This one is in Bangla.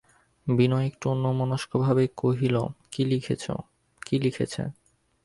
বিনয় একটু অন্যমনস্ক ভাবেই কহিল, কি লিখেছে?